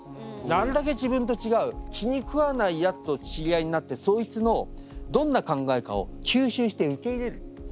なるだけ自分と違う気に食わないやつと知り合いになってそいつのどんな考えかを吸収して受け入れる。